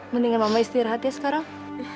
mendingan mama istirahat ya sekarang